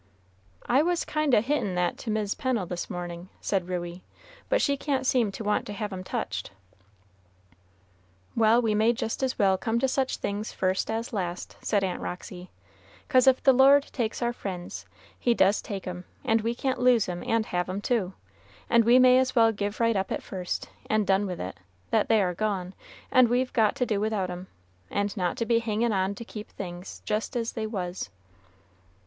"I was kind o' hintin' that to Mis' Pennel this morning," said Ruey, "but she can't seem to want to have 'em touched." "Well, we may just as well come to such things first as last," said Aunt Roxy; "'cause if the Lord takes our friends, he does take 'em; and we can't lose 'em and have 'em too, and we may as well give right up at first, and done with it, that they are gone, and we've got to do without 'em, and not to be hangin' on to keep things just as they was."